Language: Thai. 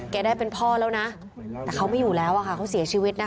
ได้เป็นพ่อแล้วนะแต่เขาไม่อยู่แล้วอะค่ะเขาเสียชีวิตนะคะ